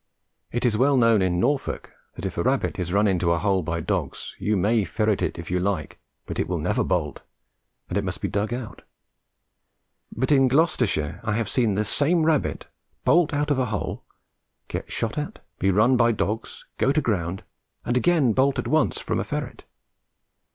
It is well known in Norfolk that if a rabbit is run into a hole by dogs, you may ferret it if you like, but it will never bolt, and it must be dug out. But in Gloucestershire I have seen the same rabbit bolt out of a hole, get shot at, be run by dogs, go to ground, and again bolt at once from a ferret.